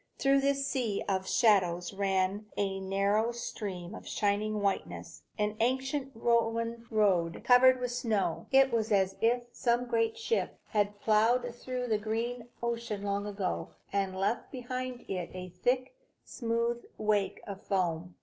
Through this sea of shadows ran a narrow stream of shining whiteness, an ancient Roman road, covered with snow. It was as if some great ship had ploughed through the green ocean long ago, and left behind it a thick, smooth wake of foam.